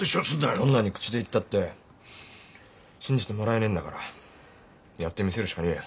どんなに口で言ったって信じてもらえねえんだからやってみせるしかねえよ。